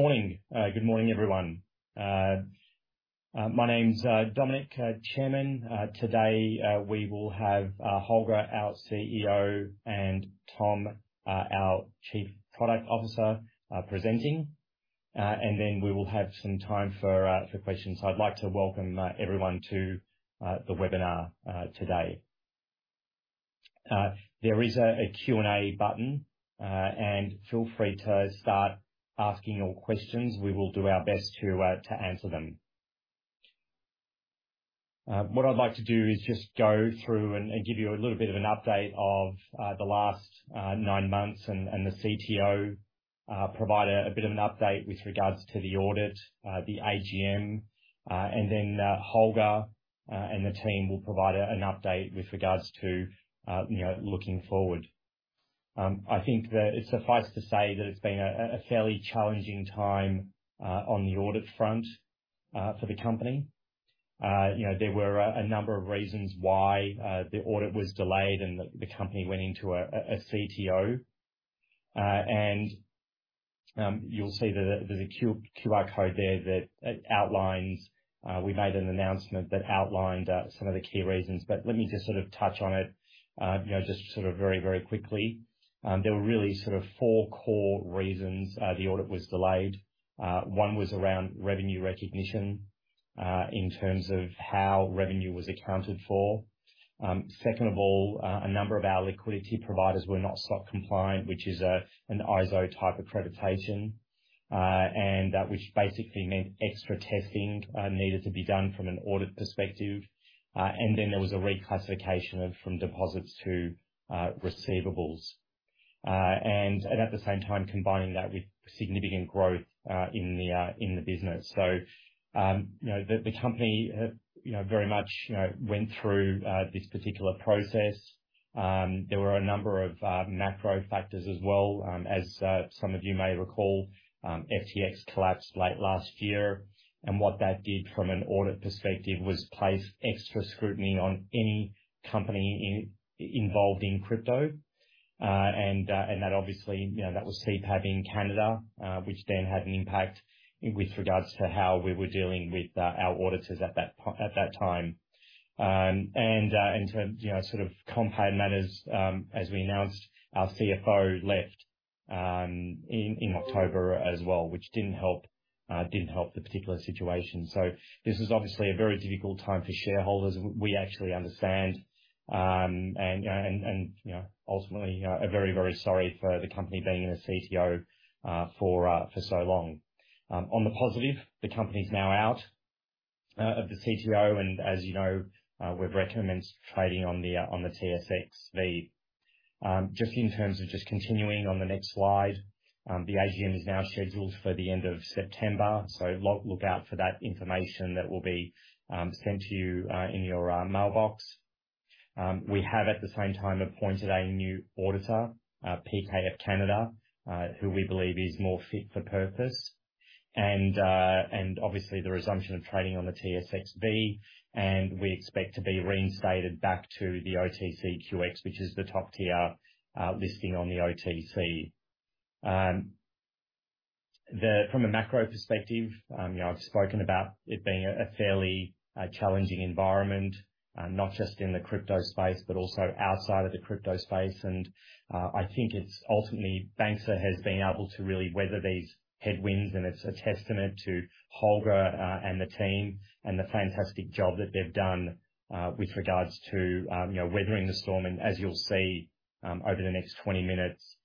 Morning. Good morning, everyone. My name's Dominic, Chairman. Today, we will have Holger, our CEO, and Tom, our Chief Product Officer, presenting. We will have some time for questions. I'd like to welcome everyone to the webinar today. There is a Q&A button. Feel free to start asking your questions, we will do our best to answer them. What I'd like to do is just go through and give you a little bit of an update of the last nine months, and the CTO provide a bit of an update with regards to the audit, the AGM. Holger and the team will provide an update with regards to looking forward. I think that it's suffice to say that it's been a fairly challenging time on the audit front for the company. There were a number of reasons why the audit was delayed, and the company went into a CTO. You'll see that there's a QR code there that we made an announcement that outlined some of the key reasons. Let me just touch on it very, very quickly. There were really four core reasons the audit was delayed. one was around revenue recognition in terms of how revenue was accounted for. Second of all, a number of our liquidity providers were not SOC compliant, which is an ISO-type accreditation. Which basically meant extra testing needed to be done from an audit perspective. Then there was a reclassification of, from deposits to receivables. And at the same time, combining that with significant growth in the business. You know, the company, you know, very much, you know, went through this particular process. There were a number of macro factors as well. As some of you may recall, FTX collapsed late last year, and what that did from an audit perspective, was place extra scrutiny on any company involved in crypto. That obviously, you know, that was CPAB in Canada, which then had an impact with regards to how we were dealing with our auditors at that time. In terms, you know, sort of compound matters, as we announced, our CFO left in October as well, which didn't help the particular situation. This was obviously a very difficult time for shareholders. We actually understand, and, you know, ultimately, are very, very sorry for the company being in a CTO for so long. On the positive, the company's now out of the CTO, and as you know, we've recommenced trading on the TSX. The just in terms of just continuing on the next slide, the AGM is now scheduled for the end of September. Look out for that information that will be sent to you in your mailbox. We have, at the same time, appointed a new auditor, PKF Antares, who we believe is more fit for purpose. Obviously, the resumption of trading on the TSXV, and we expect to be reinstated back to the OTCQX, which is the top tier listing on the OTC. From a macro perspective, you know, I've spoken about it being a fairly challenging environment, not just in the crypto space, but also outside of the crypto space. I think it's ultimately, Banxa has been able to really weather these headwinds, and it's a testament to Holger and the team, and the fantastic job that they've done with regards to, you know, weathering the storm. As you'll see, over the next 20 minutes,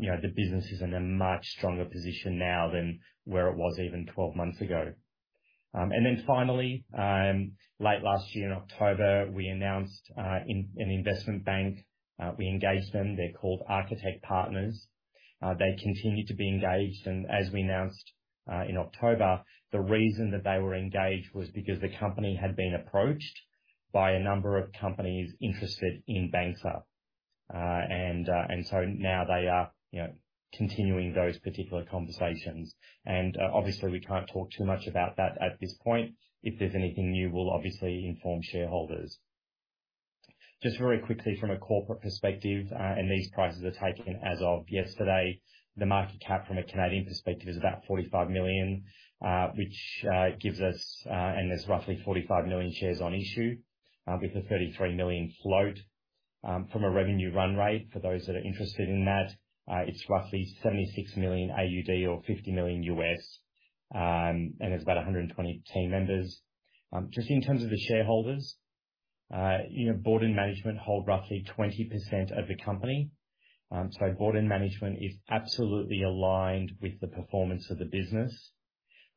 you know, the business is in a much stronger position now than where it was even 12 months ago. Finally, late last year in October, we announced an investment bank, we engaged them. They're called Architect Partners. They continue to be engaged, and as we announced in October, the reason that they were engaged was because the company had been approached by a number of companies interested in Banxa. They are, you know, continuing those particular conversations. Obviously, we can't talk too much about that at this point. If there's anything new, we'll obviously inform shareholders. Just very quickly, from a corporate perspective, and these prices are taken as of yesterday, the market cap from a Canadian perspective is about 45 million, which gives us. There's roughly 45 million shares on issue, with a 33 million float. From a revenue run rate, for those that are interested in that, it's roughly 76 million AUD or $50 million, and there's about 120 team members. Just in terms of the shareholders, you know, board and management hold roughly 20% of the company. Board and management is absolutely aligned with the performance of the business.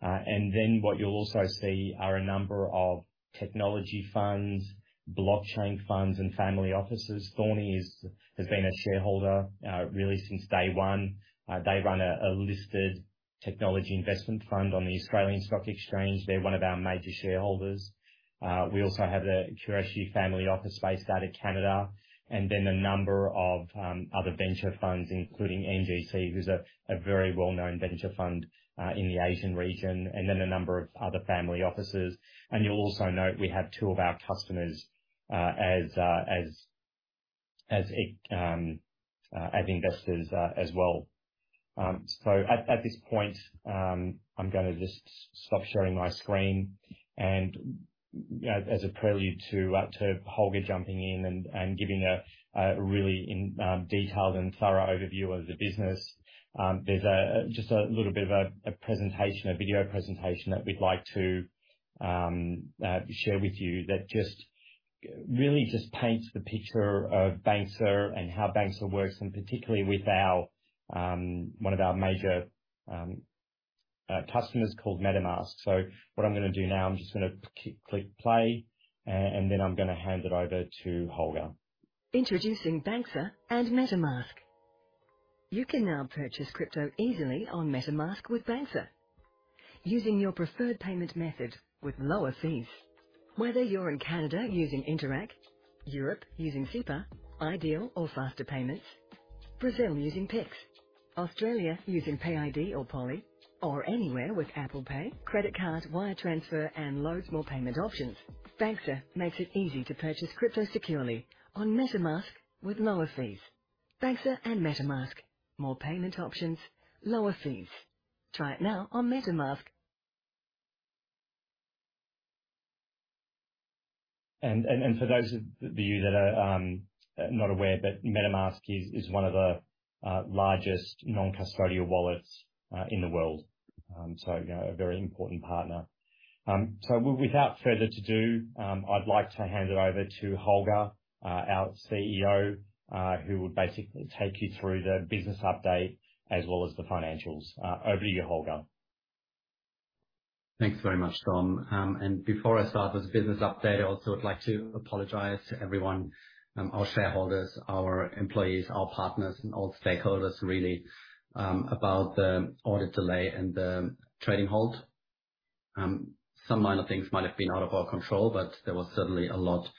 What you'll also see are a number of technology funds, blockchain funds, and family offices. Thorney has been a shareholder really since day one. They run a listed technology investment fund on the Australian Stock Exchange. They're one of our major shareholders. We also have the Kurosaki Family Office based out of Canada, a number of other venture funds, including NGC, who's a very well-known venture fund in the Asian region, a number of other family offices. You'll also note, we have two of our customers as investors as well. At this point, I'm gonna just stop sharing my screen, you know, as a prelude to Holger jumping in and giving a really detailed and thorough overview of the business, there's just a little bit of a presentation, a video presentation that we'd like to share with you, that really just paints the picture of Banxa and how Banxa works, and particularly with our one of our major customers called MetaMask. What I'm gonna do now, I'm just gonna click play, I'm gonna hand it over to Holger. Introducing Banxa and MetaMask. You can now purchase crypto easily on MetaMask with Banxa, using your preferred payment method with lower fees. Whether you're in Canada using Interac, Europe using Sofort, iDEAL or Faster Payments, Brazil using Pix, Australia using PayID or POLi, or anywhere with Apple Pay, credit card, wire transfer, and loads more payment options, Banxa makes it easy to purchase crypto securely on MetaMask with lower fees. Banxa and MetaMask, more payment options, lower fees. Try it now on MetaMask. For those of you that are not aware, but MetaMask is one of the largest non-custodial wallets in the world. You know, a very important partner. Without further to do, I'd like to hand it over to Holger, our CEO, who will basically take you through the business update as well as the financials. Over to you, Holger. Thanks very much, Dom. Before I start this business update, I also would like to apologize to everyone, our shareholders, our employees, our partners, and all stakeholders really, about the audit delay and the trading halt. Some minor things might have been out of our control, but there was certainly a lot of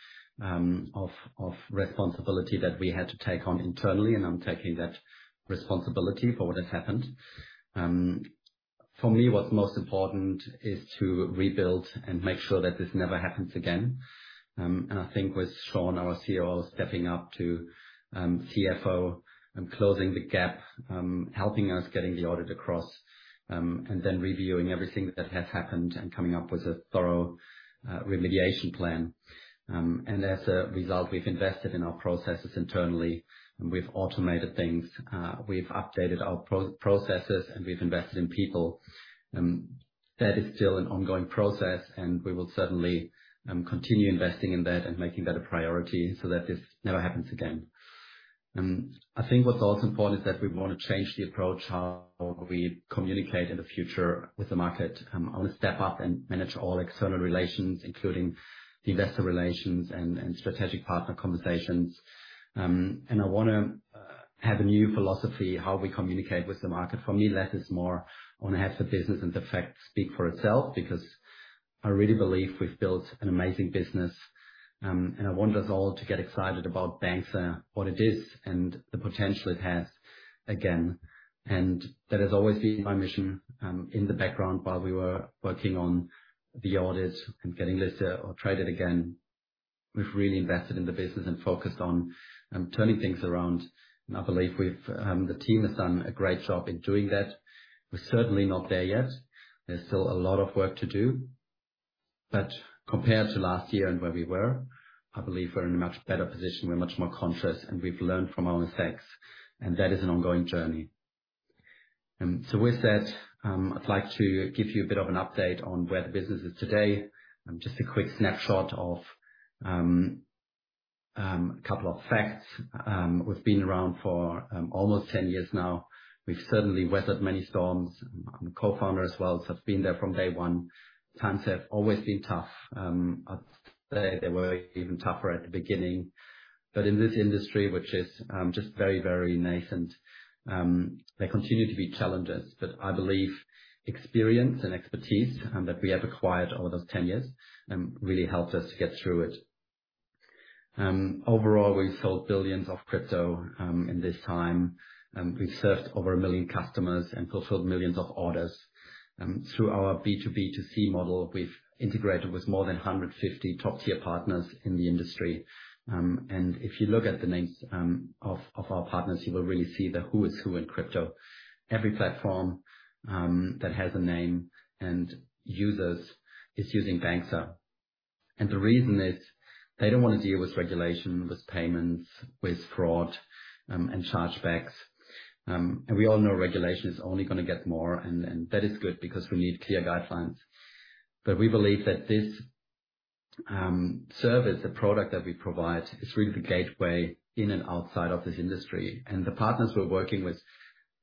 responsibility that we had to take on internally, and I'm taking that responsibility for what has happened. For me, what's most important is to rebuild and make sure that this never happens again. I think with Sean, our COO, stepping up to CFO and closing the gap, helping us getting the audit across, and then reviewing everything that has happened and coming up with a thorough remediation plan. As a result, we've invested in our processes internally, and we've automated things. We've updated our processes, and we've invested in people. That is still an ongoing process, and we will certainly continue investing in that and making that a priority so that this never happens again. I think what's also important is that we want to change the approach how we communicate in the future with the market. I want to step up and manage all external relations, including the investor relations and strategic partner conversations. I wanna have a new philosophy how we communicate with the market. For me, less is more. I want to have the business and the facts speak for itself, because I really believe we've built an amazing business, and I want us all to get excited about Banxa, what it is, and the potential it has again. That has always been my mission in the background while we were working on the audit and getting listed or traded again. We've really invested in the business and focused on turning things around, and I believe the team has done a great job in doing that. We're certainly not there yet. There's still a lot of work to do. Compared to last year and where we were, I believe we're in a much better position. We're much more conscious, and we've learned from our mistakes, and that is an ongoing journey. With that, I'd like to give you a bit of an update on where the business is today and just a quick snapshot of a couple of facts. We've been around for almost 10 years now. We've certainly weathered many storms. I'm a co-founder as well. I've been there from day one. Times have always been tough. I'd say they were even tougher at the beginning. In this industry, which is just very, very nascent, there continue to be challenges, but I believe experience and expertise that we have acquired over those 10 years really helped us get through it. Overall, we've sold billions of crypto in this time, and we've served over 1 million customers and fulfilled millions of orders. Through our B2B2C model, we've integrated with more than 150 top-tier partners in the industry. If you look at the names of our partners, you will really see the who is who in crypto. Every platform that has a name and users is using Banxa. The reason is they don't want to deal with regulation, with payments, with fraud, and chargebacks. We all know regulation is only gonna get more, and that is good because we need clear guidelines. We believe that this service, the product that we provide, is really the gateway in and outside of this industry. The partners we're working with,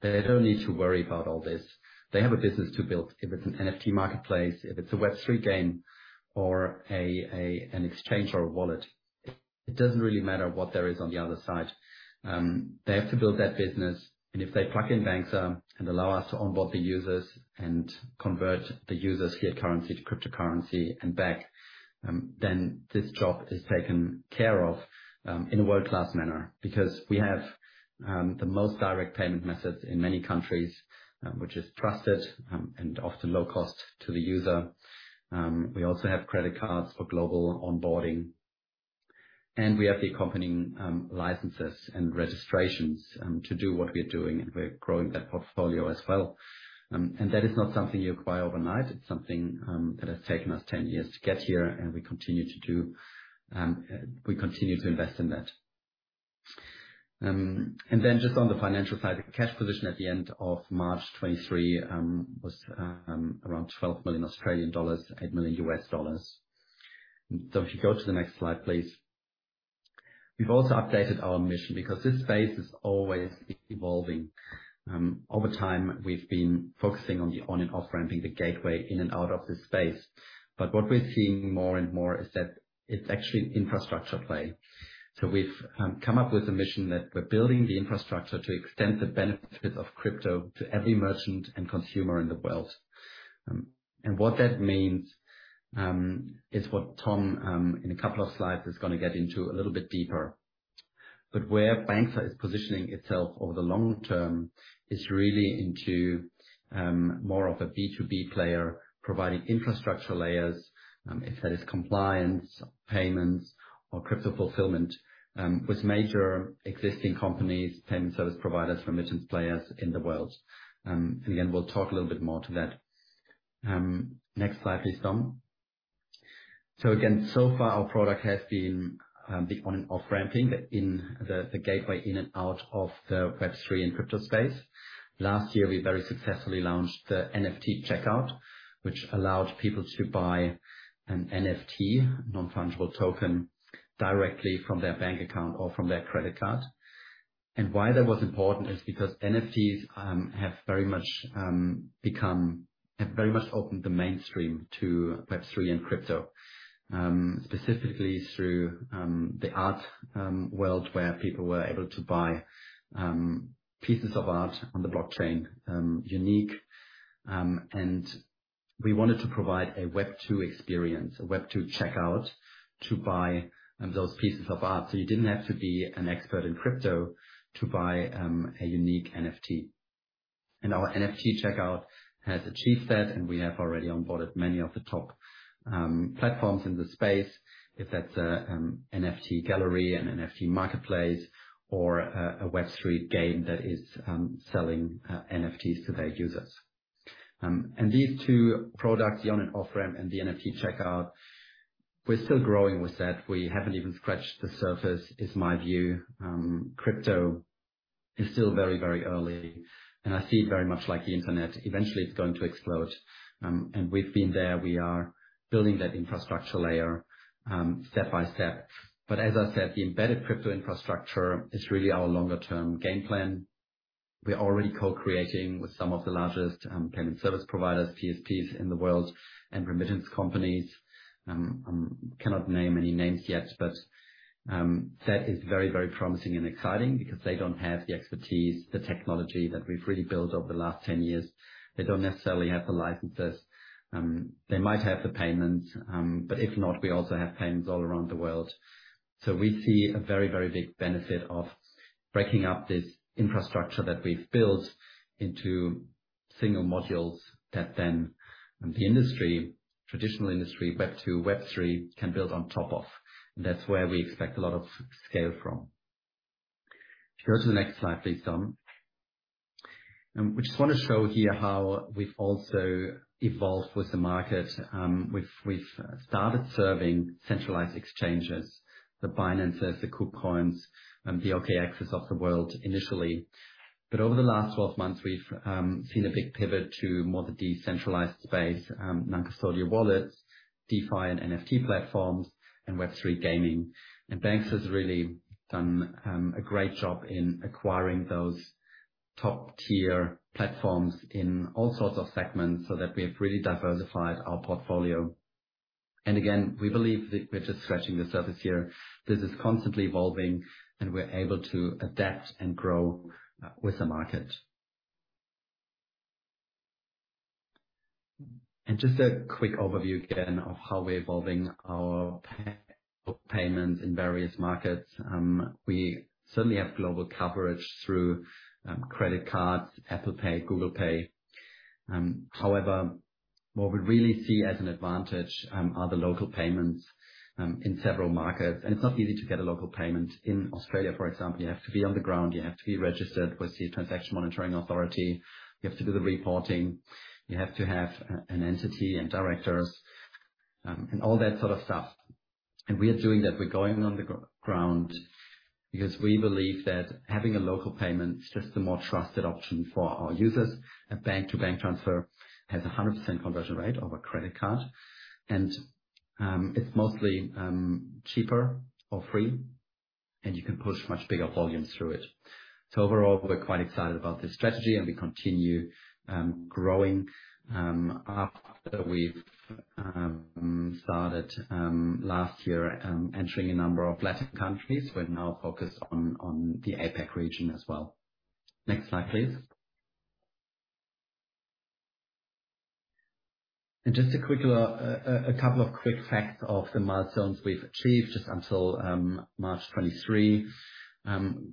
they don't need to worry about all this. They have a business to build. If it's an NFT marketplace, if it's a Web3 game or an exchange or a wallet, it doesn't really matter what there is on the other side. They have to build that business, and if they plug in Banxa and allow us to onboard the users and convert the users' fiat currency to cryptocurrency and back, then this job is taken care of in a world-class manner. Because we have the most direct payment methods in many countries, which is trusted and often low cost to the user. We also have credit cards for global onboarding. And we have the accompanying licenses and registrations to do what we are doing, and we're growing that portfolio as well. And that is not something you acquire overnight, it's something that has taken us 10 years to get here, and we continue to do, we continue to invest in that. Then just on the financial side, the cash position at the end of March 2023, was around 12 million Australian dollars, $8 million. If you go to the next slide, please. We've also updated our mission, because this space is always evolving. Over time, we've been focusing on the on- and off-ramp, the gateway in and out of this space, but what we're seeing more and more is that it's actually an infrastructure play. We've come up with a mission that we're building the infrastructure to extend the benefits of crypto to every merchant and consumer in the world. What that means is what Tom, in a couple of slides, is gonna get into a little bit deeper. Where Banxa is positioning itself over the long term is really into more of a B2B player, providing infrastructure layers, if that is compliance, payments or crypto fulfillment, with major existing companies, payment service providers, remittance players in the world. Again, we'll talk a little bit more to that. Next slide, please, Tom. Again, so far our product has been the on and off-ramping in the gateway in and out of the Web3 and crypto space. Last year, we very successfully launched the NFT Checkout, which allowed people to buy an NFT, non-fungible token, directly from their bank account or from their credit card. Why that was important is because NFTs have very much become have very much opened the mainstream to Web3 and crypto, specifically through the art world, where people were able to buy pieces of art on the blockchain, unique. We wanted to provide a Web2 experience, a Web2 checkout, to buy those pieces of art, so you didn't have to be an expert in crypto to buy a unique NFT. Our NFT Checkout has achieved that, and we have already onboarded many of the top platforms in the space, if that's a NFT gallery, an NFT marketplace, or a Web3 game that is selling NFTs to their users. These two products, the on- and off-ramp and the NFT Checkout, we're still growing with that. We haven't even scratched the surface, is my view. Crypto is still very, very early, and I see it very much like the internet. Eventually, it's going to explode. We've been there. We are building that infrastructure layer, step by step. As I said, the embedded crypto infrastructure is really our longer term game plan. We're already co-creating with some of the largest payment service providers, PSPs, in the world and remittance companies. Cannot name any names yet, but that is very, very promising and exciting because they don't have the expertise, the technology, that we've really built over the last 10 years. They don't necessarily have the licenses. They might have the payments, but if not, we also have payments all around the world. We see a very, very big benefit of breaking up this infrastructure that we've built into single modules that then the industry, traditional industry, Web2, Web3, can build on top of. That's where we expect a lot of scale from. If you go to the next slide, please, Tom. We just want to show here how we've also evolved with the market. We've started serving centralized exchanges, the Binances, the KuCoins, and the OKXs of the world initially. Over the last 12 months, we've seen a big pivot to more the decentralized space, non-custodial wallets, DeFi and NFT platforms, and Web3 gaming. Banxa has really done a great job in acquiring those top-tier platforms in all sorts of segments so that we have really diversified our portfolio. Again, we believe that we're just scratching the surface here. This is constantly evolving. We're able to adapt and grow with the market. Just a quick overview again of how we're evolving our payments in various markets. We certainly have global coverage through credit cards, Apple Pay, Google Pay. However, what we really see as an advantage are the local payments in several markets. It's not easy to get a local payment. In Australia, for example, you have to be on the ground, you have to be registered with the Transaction Monitoring Authority, you have to do the reporting, you have to have an entity and directors, and all that sort of stuff. We are doing that. We're going on the ground because we believe that having a local payment is just a more trusted option for our users. A bank-to-bank transfer has a 100% conversion rate over credit card, and it's mostly cheaper or free, and you can push much bigger volumes through it. Overall, we're quite excited about this strategy and we continue growing. After we've started last year entering a number of Latin countries, we're now focused on the APAC region as well. Next slide, please. Just a quick couple of quick facts of the milestones we've achieved just until March 2023.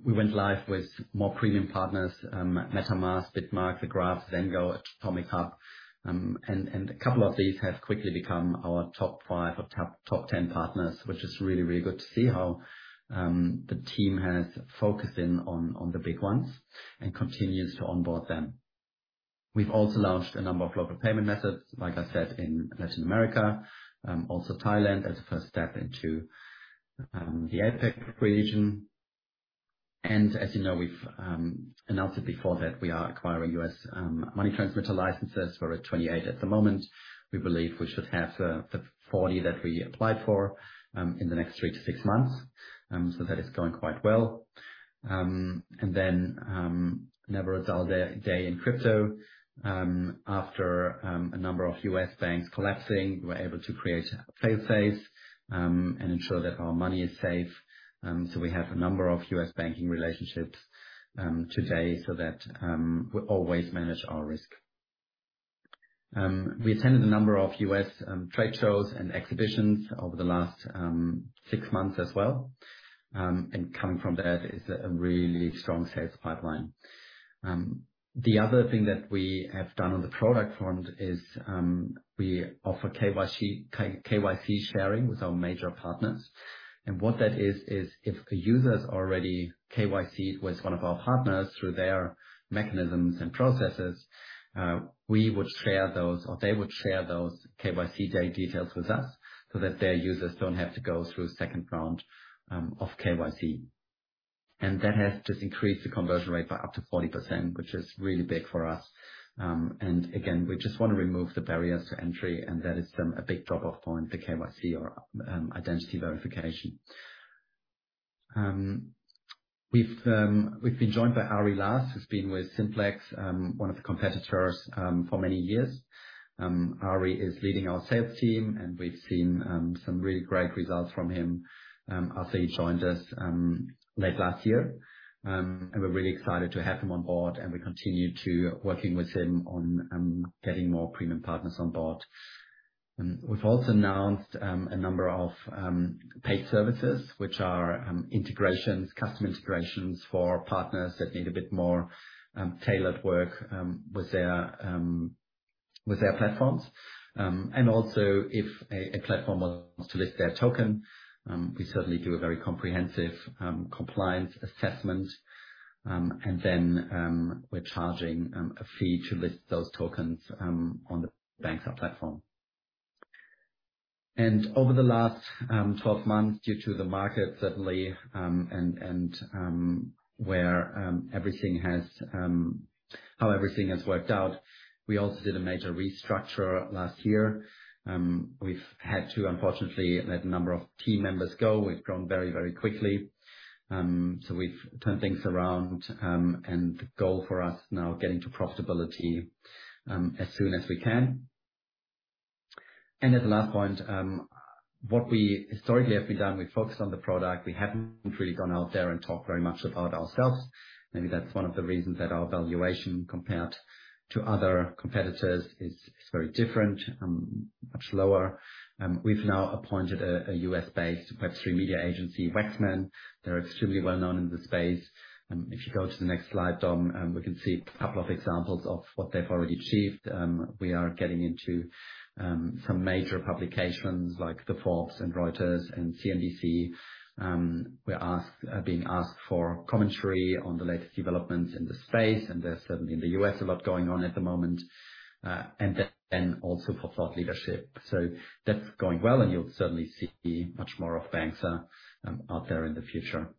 We went live with more premium partners, MetaMask, BitMart, The Graph, Zengo, AtomicHub, and a couple of these have quickly become our top five or top 10 partners, which is really, really good to see how the team has focused in on the big ones and continues to onboard them. We've also launched a number of local payment methods, like I said, in Latin America, also Thailand, as a first step into the APAC region. As you know, we've announced it before, that we are acquiring U.S. money transmitter licenses. We're at 28 at the moment. We believe we should have the 40 that we applied for in the next three to six months. That is going quite well. Never a dull day in crypto. After a number of U.S. banks collapsing, we were able to create fail-safes and ensure that our money is safe. We have a number of U.S. banking relationships today, so that we always manage our risk. We attended a number of U.S. trade shows and exhibitions over the last six months as well. Coming from that is a really strong sales pipeline. The other thing that we have done on the product front is we offer KYC sharing with our major partners. What that is if a user's already KYC with one of our partners through their mechanisms and processes, we would share those, or they would share those KYC details with us, so that their users don't have to go through a second round of KYC. That has just increased the conversion rate by up to 40%, which is really big for us. Again, we just want to remove the barriers to entry, and that is a big drop-off point, the KYC or identity verification. We've been joined by Ari Last, who's been with Simplex, one of the competitors, for many years. Ari is leading our sales team, and we've seen some really great results from him after he joined us late last year. And we're really excited to have him on board, and we continue to working with him on getting more premium partners on board. We've also announced a number of paid services, which are integrations, custom integrations for partners that need a bit more tailored work with their platforms. And also, if a platform wants to list their token, we certainly do a very comprehensive compliance assessment. And then, we're charging a fee to list those tokens on the Banxa platform. Over the last twelve months, due to the market, certainly, how everything has worked out, we also did a major restructure last year. We've had to unfortunately let a number of team members go. We've grown very, very quickly. So we've turned things around, and the goal for us now, getting to profitability, as soon as we can. As a last point, what we historically have been doing, we've focused on the product. We haven't really gone out there and talked very much about ourselves. Maybe that's one of the reasons that our valuation compared to other competitors is very different, much lower. We've now appointed a US-based Web3 media agency, Wachsman. They're extremely well-known in the space. If you go to the next slide, Dom, we can see a couple of examples of what they've already achieved. We are getting into some major publications like Forbes and Reuters and CNBC. Being asked for commentary on the latest developments in the space, and there's certainly in the U.S., a lot going on at the moment. Then also for thought leadership. That's going well, and you'll certainly see much more of Banxa out there in the future.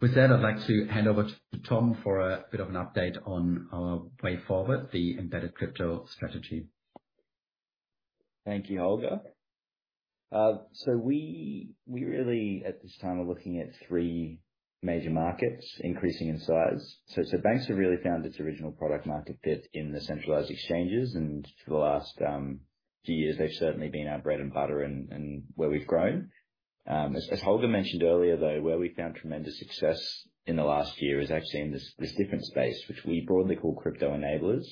With that, I'd like to hand over to Tom for a bit of an update on our way forward, the embedded crypto strategy. Thank you, Holger. We really, at this time, are looking at three major markets increasing in size. Banxa really found its original product market fit in the centralized exchanges, and for the last few years, they've certainly been our bread and butter and where we've grown. As Holger mentioned earlier, though, where we've found tremendous success in the last year is actually in this different space, which we broadly call crypto enablers.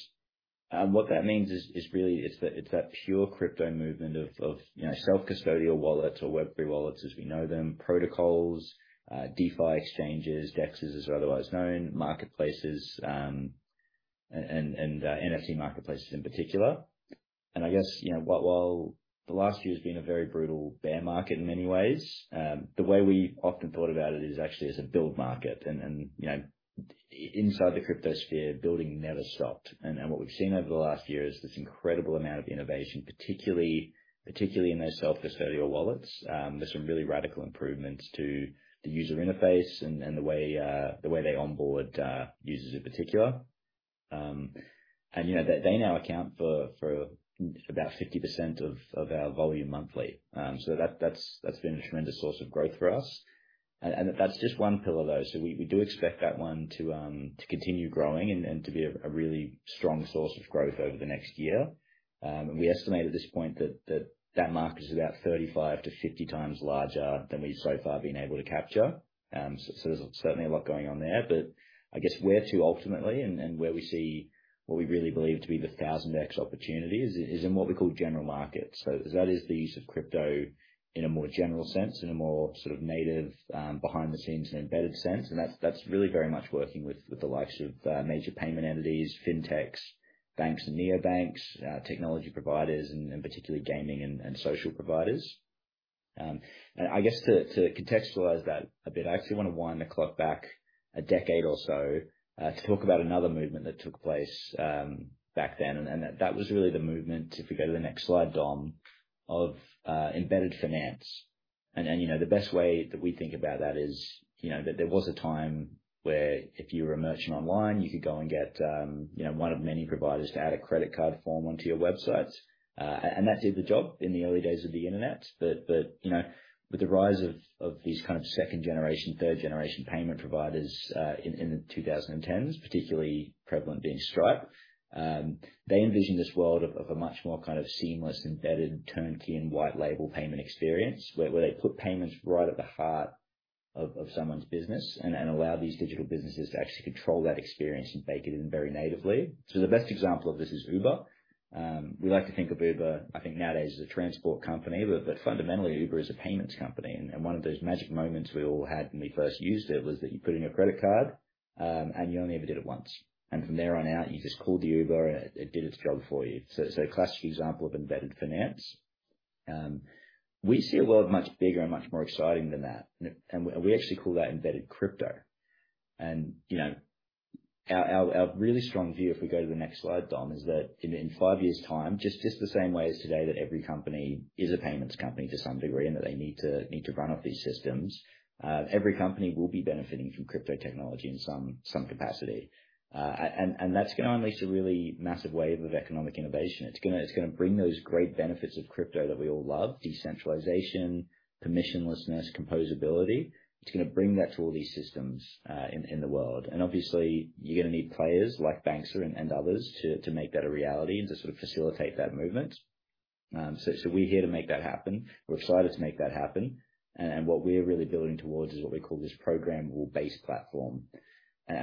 What that means is really, it's that pure crypto movement of, you know, self-custodial wallets or Web3 wallets as we know them, protocols, DeFi exchanges, DEXs as they're otherwise known, marketplaces, and NFT marketplaces in particular. I guess, you know, while the last year has been a very brutal bear market in many ways, the way we've often thought about it is actually as a build market. You know, inside the cryptosphere, building never stopped. What we've seen over the last year is this incredible amount of innovation, particularly in those self-custodial wallets. There's some really radical improvements to the user interface and the way they onboard users in particular. You know, they now account for about 50% of our volume monthly. That's been a tremendous source of growth for us. That's just one pillar, though. We do expect that one to continue growing and to be a really strong source of growth over the next year. And we estimate at this point that market is about 35x to 50x larger than we've so far been able to capture. There's certainly a lot going on there. I guess where to ultimately, and where we see what we really believe to be the 1,000x opportunity is in what we call general market. That is the use of crypto in a more general sense, in a more sort of native, behind the scenes and embedded sense. That's really very much working with the likes of major payment entities, fintechs, banks and neobanks, technology providers, and particularly gaming and social providers. I guess to contextualize that a bit, I actually want to wind the clock back a decade or so, to talk about another movement that took place back then. That was really the movement, if we go to the next slide, Dom, of embedded finance. You know, the best way that we think about that is, you know, that there was a time where if you were a merchant online, you could go and get, you know, one of many providers to add a credit card form onto your website. That did the job in the early days of the internet. You know, with the rise of these kind of second generation, third generation payment providers, in the 2010s, particularly prevalent being Stripe, they envisioned this world of a much more kind of seamless, embedded, turnkey and white label payment experience, where they put payments right at the heart of someone's business and allow these digital businesses to actually control that experience and bake it in very natively. The best example of this is Uber. We like to think of Uber, I think nowadays, as a transport company, but fundamentally, Uber is a payments company. One of those magic moments we all had when we first used it, was that you put in your credit card, and you only ever did it once, and from there on out, you just called the Uber, and it did its job for you. A classic example of embedded finance. We see a world much bigger and much more exciting than that, and we actually call that embedded crypto. You know, our really strong view, if we go to the next slide, Dom, is that in 5 years' time, just the same way as today, that every company is a payments company to some degree, and that they need to run off these systems, every company will be benefiting from crypto technology in some capacity. And that's going to unleash a really massive wave of economic innovation. It's gonna bring those great benefits of crypto that we all love: decentralization, permissionlessness, composability. It's gonna bring that to all these systems in the world. Obviously, you're gonna need players like Banxa and others to make that a reality and to sort of facilitate that movement. So we're here to make that happen. We're excited to make that happen. What we're really building towards is what we call this programmable-based platform.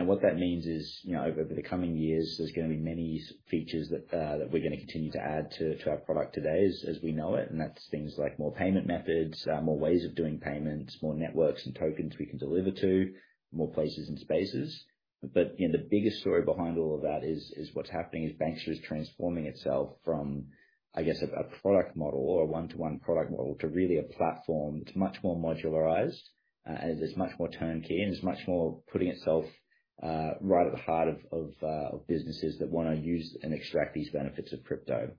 What that means is, you know, over the coming years, there's gonna be many features that we're gonna continue to add to our product today as we know it, that's things like more payment methods, more ways of doing payments, more networks and tokens we can deliver to, more places and spaces. You know, the biggest story behind all of that is what's happening, Banxa is transforming itself from, I guess, a product model or a one-to-one product model, to really a platform that's much more modularized, and is much more turnkey, and is much more putting itself right at the heart of businesses that wanna use and extract these benefits of crypto.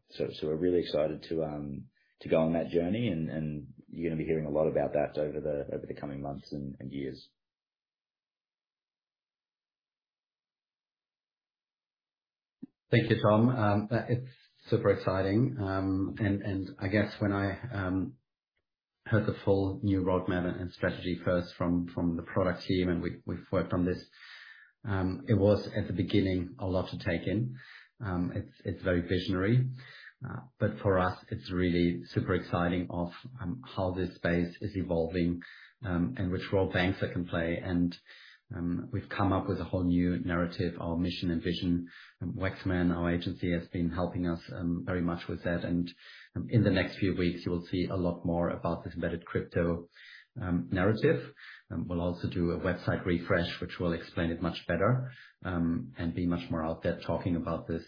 We're really excited to go on that journey, and you're gonna be hearing a lot about that over the coming months and years. Thank you, Tom. It's super exciting. I guess when I heard the full new roadmap and strategy first from the product team, and we've worked on this, it was, at the beginning, a lot to take in. It's very visionary, but for us, it's really super exciting of how this space is evolving, and which role Banxa can play. We've come up with a whole new narrative, our mission and vision. Wachsman, our agency, has been helping us very much with that, in the next few weeks, you will see a lot more about this embedded crypto narrative. We'll also do a website refresh, which will explain it much better, and be much more out there talking about this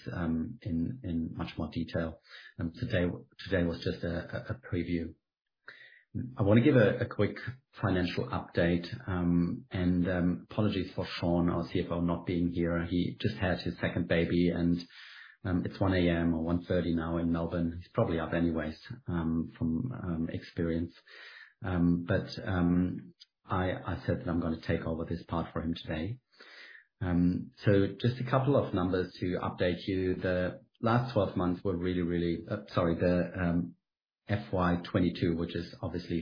in much more detail. Today was just a preview. I want to give a quick financial update. Apologies for Shaun, our CFO, not being here. He just had his second baby. It's 1:00 A.M. or 1:30 now in Melbourne. He's probably up anyways from experience. I said that I'm gonna take over this part for him today. Just a couple of numbers to update you. The last 12 months were. Sorry, the FY22, which is obviously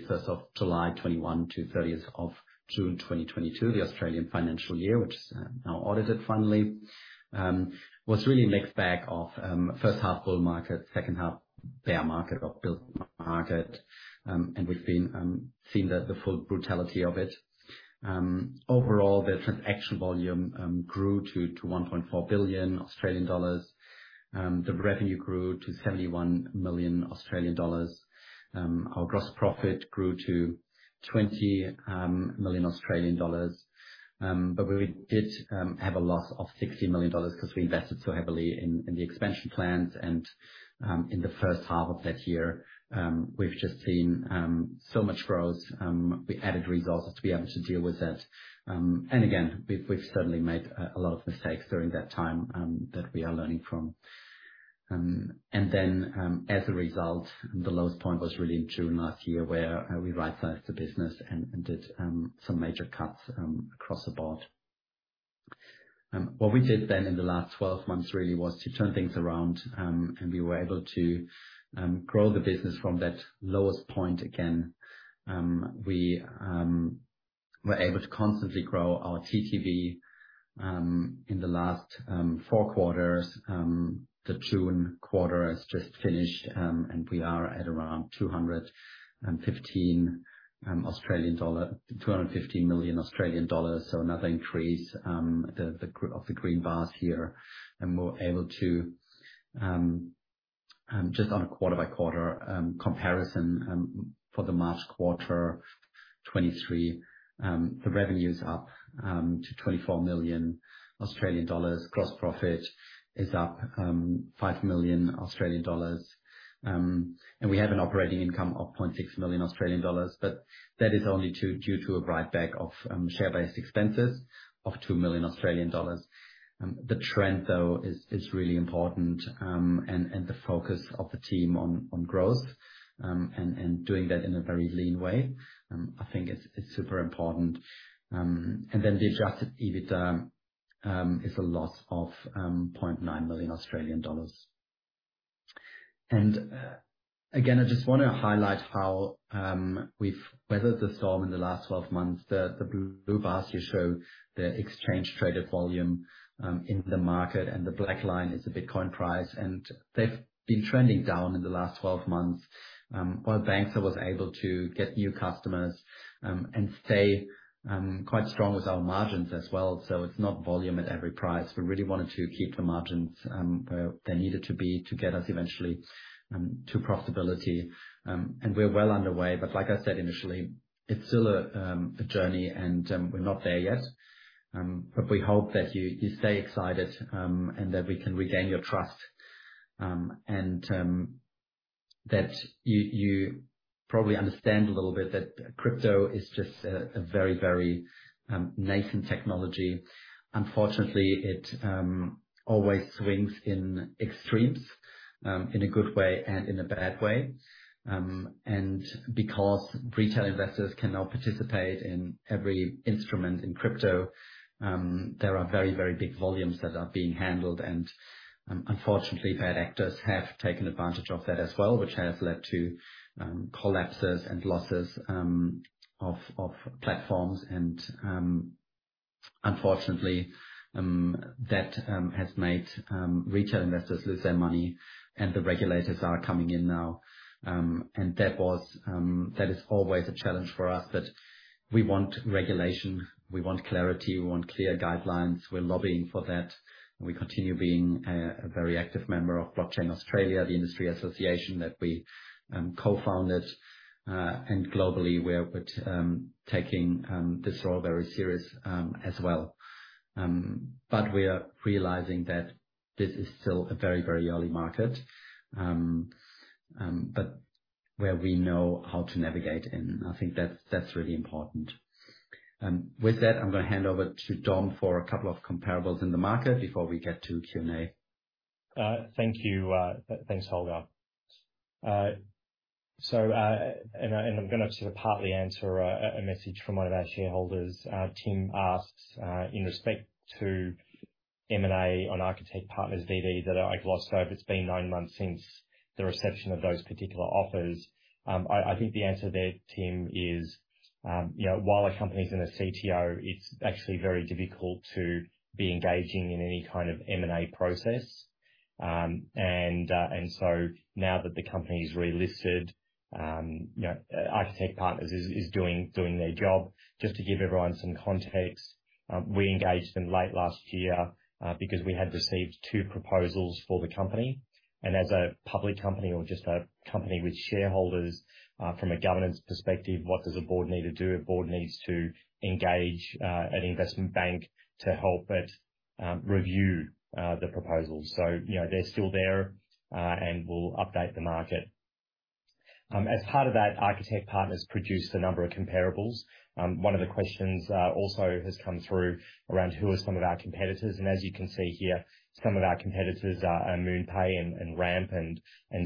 July 1, 2021 to June 30, 2022, the Australian financial year, which is now audited finally, was really a mixed bag of first half bull market, second half bear market or built market. We've been seen the full brutality of it. Overall, the transaction volume grew to 1.4 billion Australian dollars. The revenue grew to 71 million Australian dollars. Our gross profit grew to 20 million Australian dollars. We did have a loss of 60 million dollars because we invested so heavily in the expansion plans and in the first half of that year, we've just seen so much growth. We added resources to be able to deal with that. Again, we've certainly made a lot of mistakes during that time that we are learning from. As a result, the lowest point was really in June last year, where we rightsized the business and did some major cuts across the board. What we did then in the last 12 months really was to turn things around, and we were able to grow the business from that lowest point again. We were able to constantly grow our TTV in the last 4 quarters. The June quarter has just finished, and we are at around 250 million Australian dollar. Another increase of the green bars here, and we're able to just on a quarter-by-quarter comparison for the March quarter 2023, the revenue's up to 24 million Australian dollars. Gross profit is up 5 million Australian dollars, and we had an operating income of 0.6 million Australian dollars, but that is only due to a writeback of share-based expenses of 2 million Australian dollars. The trend, though, is really important, and the focus of the team on growth, and doing that in a very lean way, I think is super important. The adjusted EBITDA is a loss of 0.9 million Australian dollars. Again, I just want to highlight how we've weathered the storm in the last 12 months. The blue bars here show the exchange-traded volume in the market, and the black line is the Bitcoin price, and they've been trending down in the last 12 months. While Banxa was able to get new customers, and stay quite strong with our margins as well, so it's not volume at every price. We really wanted to keep the margins where they needed to be to get us eventually to profitability. We're well underway, but like I said, initially, it's still a journey, and we're not there yet. We hope that you stay excited, and that we can regain your trust, and that you probably understand a little bit that crypto is just a very, very nascent technology. Unfortunately, it always swings in extremes, in a good way and in a bad way. Because retail investors cannot participate in every instrument in crypto, there are very, very big volumes that are being handled, unfortunately, bad actors have taken advantage of that as well, which has led to collapses and losses of platforms, unfortunately, that has made retail investors lose their money. The regulators are coming in now. That is always a challenge for us, that we want regulation, we want clarity, we want clear guidelines. We're lobbying for that. We continue being a very active member of Blockchain Australia, the industry association that we co-founded. Globally, we're but taking this role very serious as well. We are realizing that this is still a very, very early market, but where we know how to navigate, and I think that's really important. With that, I'm going to hand over to Dom for a couple of comparables in the market before we get to Q&A. Thank you. Thanks, Holger. I'm going to sort of partly answer a message from one of our shareholders. Tim asks, "In respect to M&A on Architect Partners DD, that I've lost hope. It's been 9 months since the reception of those particular offers." I think the answer there, Tim, is, you know, while a company's in a CTO, it's actually very difficult to be engaging in any kind of M&A process. Now that the company's relisted, you know, Architect Partners is doing their job. Just to give everyone some context, we engaged them late last year, because we had received two proposals for the company, and as a public company or just a company with shareholders, from a governance perspective, what does a board need to do? A board needs to engage an investment bank to help it review the proposals. You know, they're still there, and we'll update the market. As part of that, Architect Partners produced a number of comparables. One of the questions also has come through around who are some of our competitors, and as you can see here, some of our competitors are MoonPay and Ramp and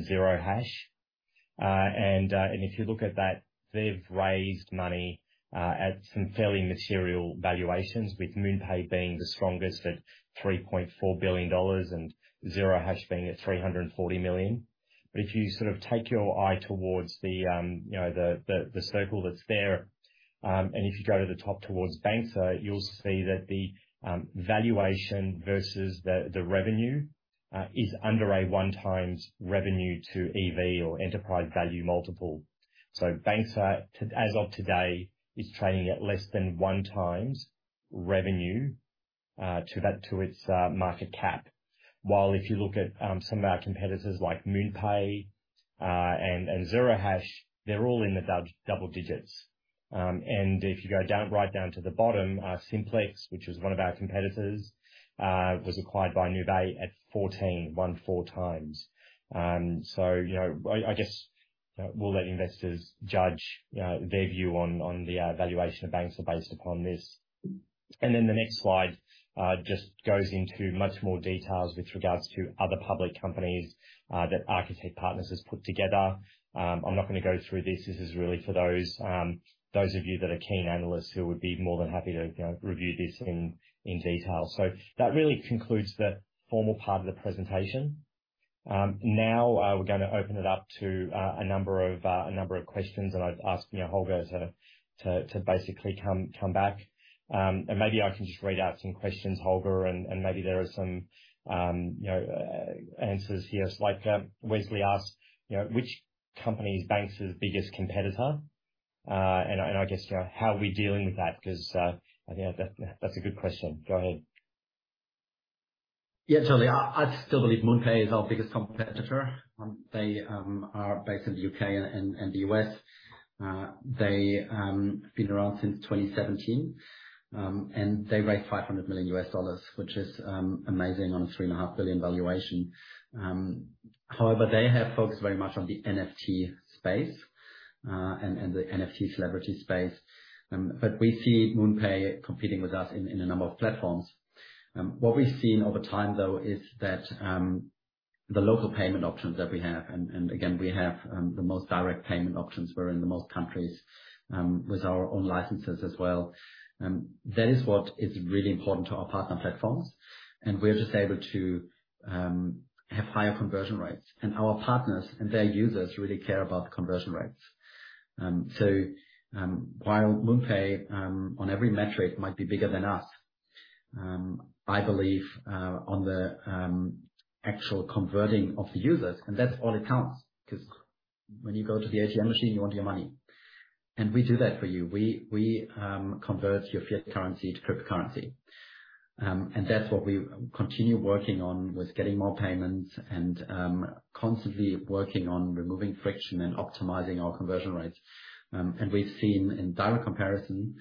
Zero Hash. If you look at that, they've raised money at some fairly material valuations, with MoonPay being the strongest at $3.4 billion, and Zero Hash being at $340 million. If you sort of take your eye towards the, you know, the circle that's there, and if you go to the top, towards Banxa, you'll see that the valuation versus the revenue is under a 1x revenue to EV or enterprise value multiple. Banxa, as of today, is trading at less than 1x revenue to that, to its market cap. While if you look at some of our competitors, like MoonPay and Zero Hash, they're all in the double digits. If you go down, right down to the bottom, Simplex, which is one of our competitors, was acquired by Nuvei at 14x. You know, I guess, we'll let investors judge their view on the valuation of Banxa, based upon this. The next slide just goes into much more details with regards to other public companies that Architect Partners has put together. I'm not going to go through this. This is really for those of you that are keen analysts, who would be more than happy to, you know, review this in detail. That really concludes the formal part of the presentation. Now, we're gonna open it up to a number of questions that I've asked, you know, Holger to basically come back. Maybe I can just read out some questions, Holger, and maybe there are some, you know, answers here. Like, Wesley asked, you know, "Which company is Banxa's biggest competitor? And I guess, you know, how are we dealing with that?" 'Cause, I think that's a good question. Go ahead. Yeah, totally. I still believe MoonPay is our biggest competitor. They are based in the U.K. and the U.S. They have been around since 2017, and they raised $500 million US dollars, which is amazing on a 3.5 billion valuation. However, they have focused very much on the NFT space and the NFT celebrity space. We see MoonPay competing with us in a number of platforms. What we've seen over time, though, is that the local payment options that we have, again, we have the most direct payment options. We're in the most countries with our own licenses as well. That is what is really important to our partner platforms, and we're just able to have higher conversion rates. Our partners and their users really care about conversion rates. While MoonPay on every metric might be bigger than us, I believe on the actual converting of the users. That's all it counts, because when you go to the ATM machine, you want your money, and we do that for you. We convert your fiat currency to cryptocurrency, and that's what we continue working on, with getting more payments and constantly working on removing friction and optimizing our conversion rates. We've seen in direct comparison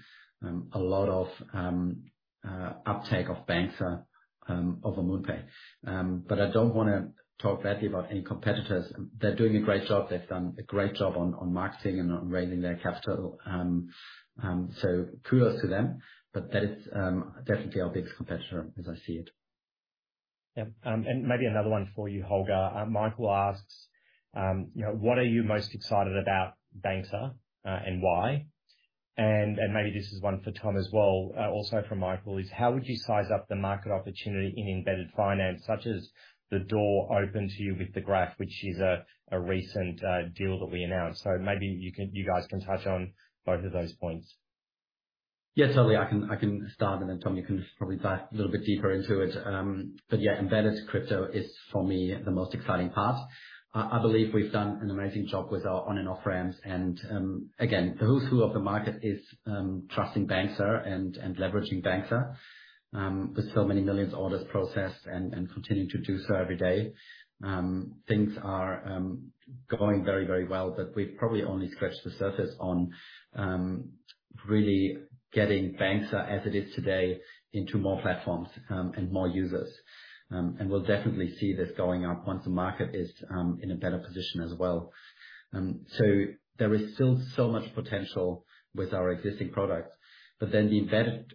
a lot of uptake of Banxa over MoonPay. I don't want to talk badly about any competitors. They're doing a great job. They've done a great job on marketing and on raising their capital. Kudos to them, but that is definitely our biggest competitor, as I see it. Yeah. Maybe another one for you, Holger. Michael asks, you know, "What are you most excited about Banxa, and why?" Maybe this is one for Tom as well, also from Michael, is: "How would you size up the market opportunity in embedded finance, such as the door open to you with The Graph, which is a recent deal that we announced?" Maybe you can, you guys can touch on both of those points. Yes, totally. I can start, and then, Tom, you can probably dive a little bit deeper into it. Yeah, embedded crypto is, for me, the most exciting part. I believe we've done an amazing job with our on- and off-ramps. Again, the who's who of the market is trusting Banxa and leveraging Banxa. With so many millions of orders processed, and continuing to do so every day, things are going very, very well. We've probably only scratched the surface on really getting Banxa as it is today into more platforms and more users. We'll definitely see this going up once the market is in a better position as well. There is still so much potential with our existing products. The embedded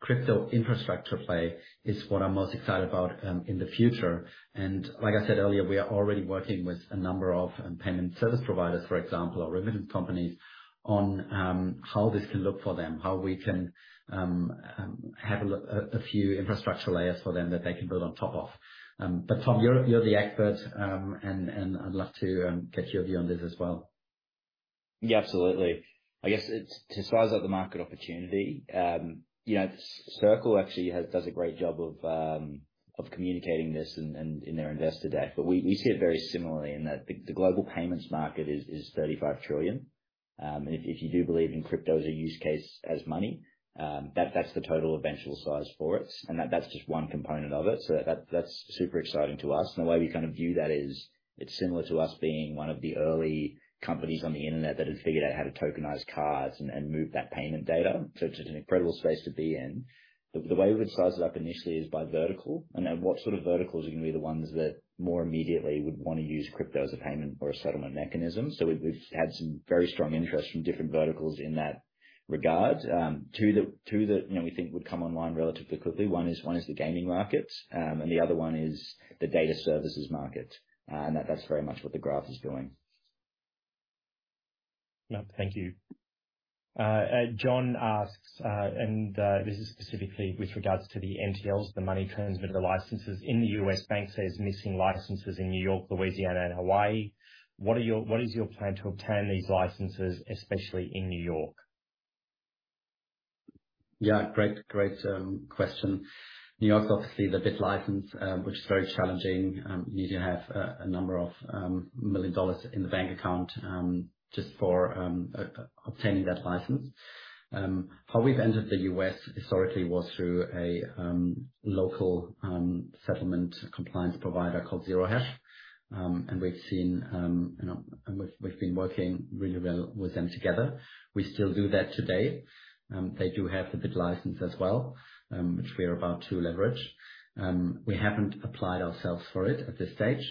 crypto infrastructure play is what I'm most excited about in the future. Like I said earlier, we are already working with a number of payment service providers, for example, or remittance companies, on how this can look for them, how we can have a few infrastructure layers for them that they can build on top of. Tom, you're the expert, and I'd love to get your view on this as well. Yeah, absolutely. I guess it's, to size up the market opportunity, you know, Circle actually does a great job of communicating this in their investor day. We see it very similarly in that the global payments market is $35 trillion. If you do believe in crypto as a use case, as money, that's the total eventual size for it, and that's just one component of it. That's super exciting to us. The way we kind of view that is, it's similar to us being one of the early companies on the internet that had figured out how to tokenize cards and move that payment data. It's an incredible space to be in. The way we would size it up initially is by vertical, what sort of verticals are gonna be the ones that more immediately would want to use crypto as a payment or a settlement mechanism. We've had some very strong interest from different verticals in that regard. Two that, you know, we think would come online relatively quickly, one is the gaming market, the other one is the data services market. That's very much what The Graph is doing. Yeah. Thank you. John asks, this is specifically with regards to the MTLs, the money transmitter licenses in the U.S. Banxa is missing licenses in New York, Louisiana, and Hawaii. What is your plan to obtain these licenses, especially in New York? Yeah, great question. New York, obviously, the BitLicense, which is very challenging. You need to have a number of million dollars in the bank account just for obtaining that license. How we've entered the U.S. historically was through a local settlement compliance provider called Zero Hash. We've seen, you know, we've been working really well with them together. We still do that today. They do have the BitLicense as well, which we are about to leverage. We haven't applied ourselves for it at this stage,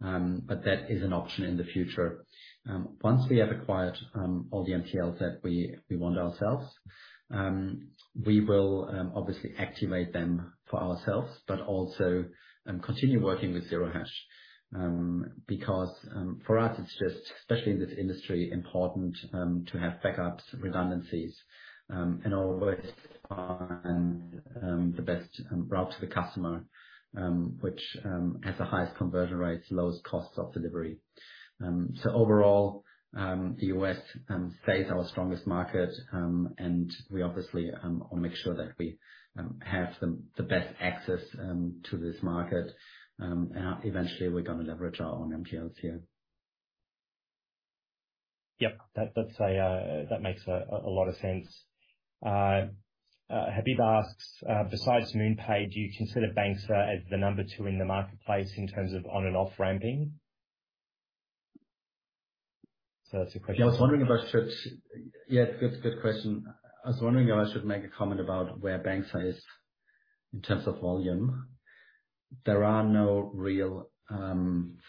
but that is an option in the future. Once we have acquired all the MTLs that we want ourselves, we will obviously activate them for ourselves, but also continue working with Zero Hash. Because for us, it's just, especially in this industry, important to have backups, redundancies, and always on the best route to the customer, which has the highest conversion rates, lowest costs of delivery. Overall, the U.S. stays our strongest market, and we obviously will make sure that we have the best access to this market. Eventually we're going to leverage our own MTOs here. Yep. That's a lot of sense. Habib asks, "Besides MoonPay, do you consider Banxa as the number two in the marketplace in terms of on and off-ramping?" That's your question. Yeah, I was wondering if I should. Yeah, good question. I was wondering if I should make a comment about where Banxa is in terms of volume. There are no real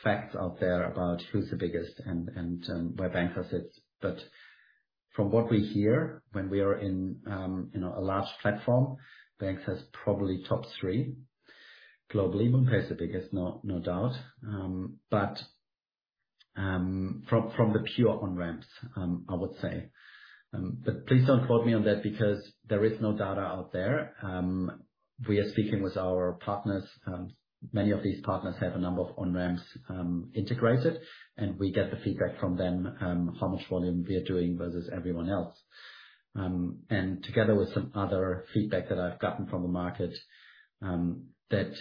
facts out there about who's the biggest and where Banxa sits. From what we hear, when we are in, you know, a large platform, Banxa is probably top three globally. MoonPay is the biggest, no doubt. From the pure on-ramps, I would say. Please don't quote me on that because there is no data out there. We are speaking with our partners, many of these partners have a number of on-ramps integrated, and we get the feedback from them how much volume we are doing versus everyone else. Together with some other feedback that I've gotten from the market, that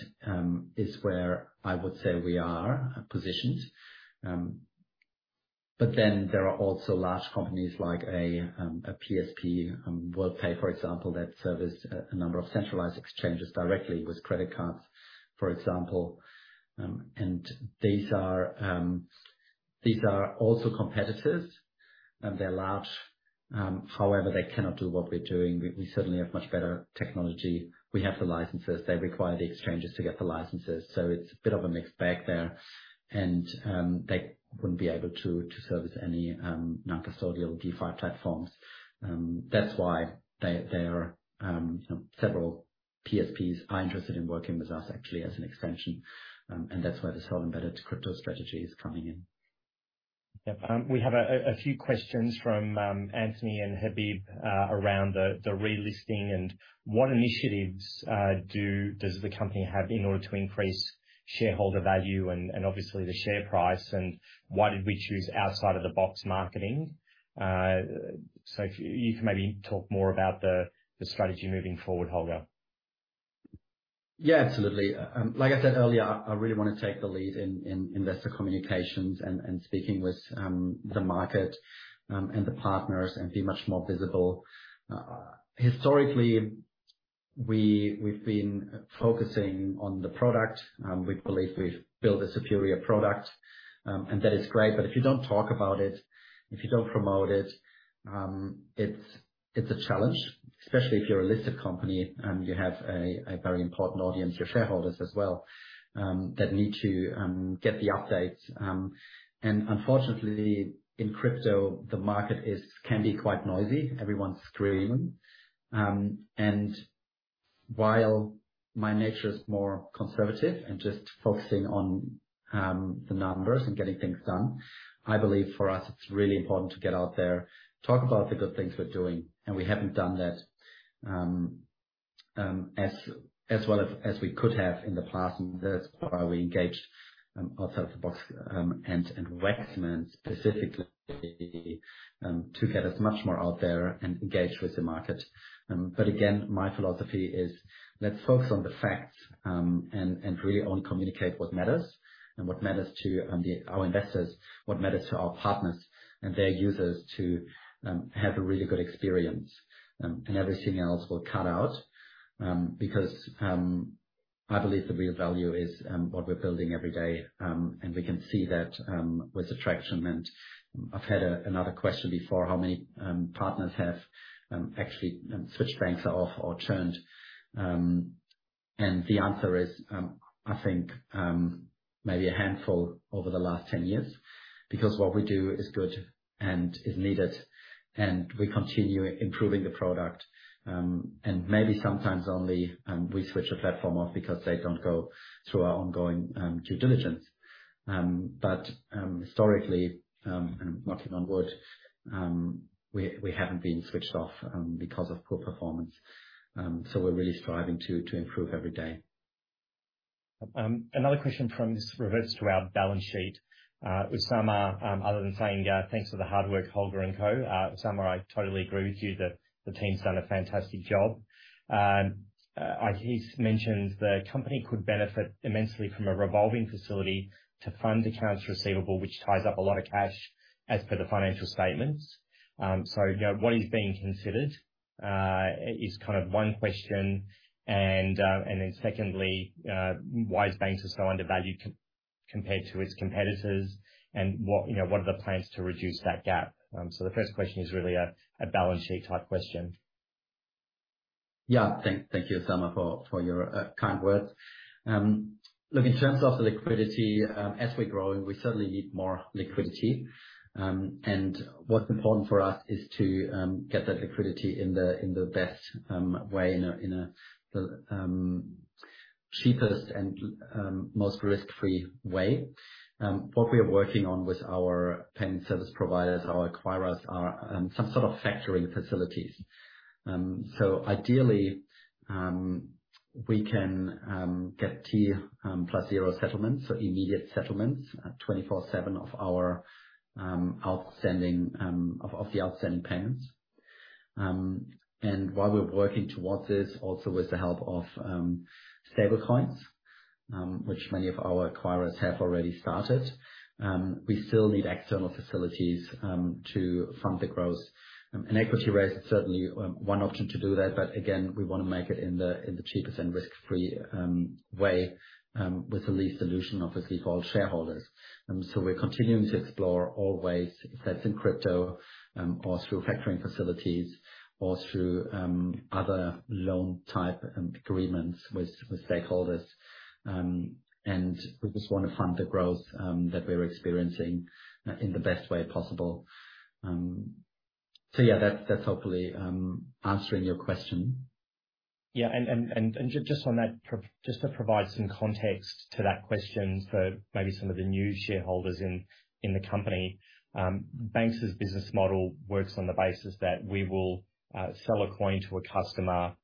is where I would say we are positioned. There are also large companies like a PSP, Worldpay, for example, that service a number of centralized exchanges directly with credit cards, for example. These are also competitors, and they're large. However, they cannot do what we're doing. We certainly have much better technology. We have the licenses. They require the exchanges to get the licenses, so it's a bit of a mixed bag there. They wouldn't be able to service any non-custodial DeFi platforms. That's why they, there are, you know, several PSPs are interested in working with us actually as an extension. That's where this whole embedded crypto strategy is coming in. Yep. We have a few questions from Anthony and Habib around the relisting and what initiatives does the company have in order to increase shareholder value and obviously the share price, and why did we choose Outside the Box Marketing? If you can maybe talk more about the strategy moving forward, Holger. Yeah, absolutely. Like I said earlier, I really want to take the lead in investor communications and speaking with the market and the partners and be much more visible. Historically, we've been focusing on the product. We believe we've built a superior product, and that is great, but if you don't talk about it, if you don't promote it's a challenge, especially if you're a listed company and you have a very important audience, your shareholders as well, that need to get the updates. Unfortunately, in crypto, the market is, can be quite noisy. Everyone's screaming. While my nature is more conservative and just focusing on the numbers and getting things done, I believe for us, it's really important to get out there, talk about the good things we're doing, and we haven't done that as well as we could have in the past. That's why we engaged Outside the Box and Wachsman specifically to get us much more out there and engaged with the market. Again, my philosophy is let's focus on the facts and really only communicate what matters, and what matters to our investors, what matters to our partners and their users to have a really good experience. Everything else will cut out because I believe the real value is what we're building every day. We can see that with attraction. I've had another question before, how many partners have actually switched Banxa off or turned. The answer is, I think, maybe a handful over the last 10 years. Because what we do is good and is needed, and we continue improving the product. Maybe sometimes only we switch a platform off because they don't go through our ongoing due diligence. Historically, and knock on wood, we haven't been switched off because of poor performance. We're really striving to improve every day. Another question from, this relates to our balance sheet. Usama, other than saying, thanks for the hard work, Holger and co, Usama, I totally agree with you that the team's done a fantastic job. He's mentioned the company could benefit immensely from a revolving facility to fund accounts receivable, which ties up a lot of cash as per the financial statements. You know, what is being considered is kind of one question. Secondly, why is Banxa so undervalued compared to its competitors? What, you know, what are the plans to reduce that gap? The first question is really a balance sheet type question. Thank you, Usama, for your kind words. Look, in terms of the liquidity, as we're growing, we certainly need more liquidity. What's important for us is to get that liquidity in the best way, in a cheapest and most risk-free way. What we are working on with our payment service providers, our acquirers, are some sort of factoring facilities. Ideally, we can get T+0 settlements, so immediate settlements, 24/7 of our outstanding of the outstanding payments. While we're working towards this, also with the help of stablecoins, which many of our acquirers have already started, we still need external facilities to fund the growth. Equity raise is certainly one option to do that, but again, we want to make it in the cheapest and risk-free way with the least dilution, obviously, for all shareholders. We're continuing to explore all ways, that's in crypto, or through factoring facilities, or through other loan type agreements with stakeholders. We just want to fund the growth that we're experiencing in the best way possible. Yeah, that's hopefully answering your question. Yeah, just on that, just to provide some context to that question for maybe some of the new shareholders in the company. Banxa's business model works on the basis that we will sell a coin to a customer